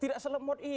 tidak selemot ini